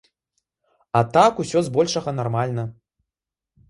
А так усё збольшага нармальна.